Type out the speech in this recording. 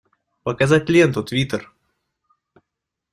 Показать ленту Твиттер!